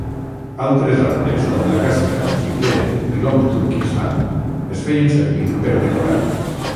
Altres arbres com l'acàcia, el xiprer i l'om de Turkistan es feien servir per decorar.